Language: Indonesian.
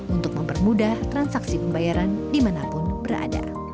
untuk mempermudah transaksi pembayaran dimanapun berada